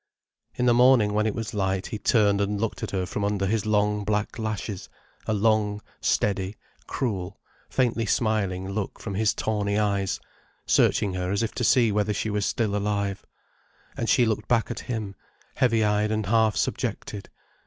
In the morning when it was light he turned and looked at her from under his long black lashes, a long, steady, cruel, faintly smiling look from his tawny eyes, searching her as if to see whether she were still alive. And she looked back at him, heavy eyed and half subjected.